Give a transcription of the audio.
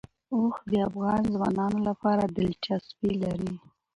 اوښ د افغان ځوانانو لپاره دلچسپي لري.